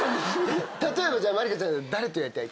例えばじゃあまりかちゃん誰とやりたい？